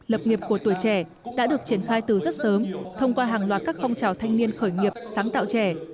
lập nghiệp của tuổi trẻ đã được triển khai từ rất sớm thông qua hàng loạt các phong trào thanh niên khởi nghiệp sáng tạo trẻ